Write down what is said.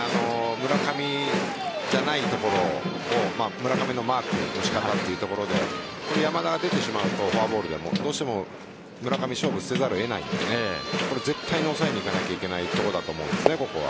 村上じゃないところを村上のマークの仕方というところで山田が出てしまうとフォアボールでもどうしても村上と勝負せざるを得ないので絶対に抑えにいかないといけないところだと思います。